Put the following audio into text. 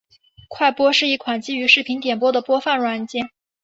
快播是一款基于视频点播的播放软件。